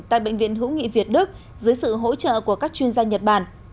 tại bệnh viện hữu nghị việt đức dưới sự hỗ trợ của các chuyên gia nhật bản